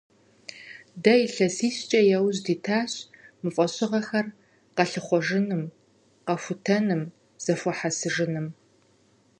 Дэ илъэсищкӀэ яужь дитащ мы фӀэщыгъэхэр къэлъыхъуэжыным, къэхутэным, зэхуэхьэсыжыным.